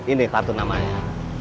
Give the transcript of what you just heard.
ini satu namanya